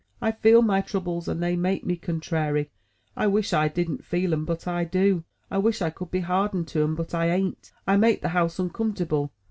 I feel my troubles, and they make me contrairy. I wish I didn't feel 'em, but I do. I wish I could be hardened to 'em, but I an't. I make the house uncomfort able.